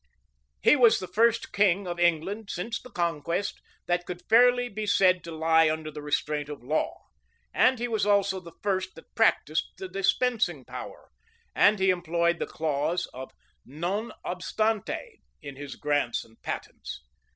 507 He was the first king of England, since the conquest, that could fairly be said to lie under the restraint of law; and he was also the first that practised the dispensing power, and he employed the clause of "non obstante" in his grants and patents.